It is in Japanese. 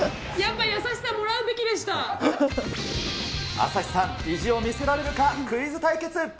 朝日さん、意地を見せられるか、クイズ対決。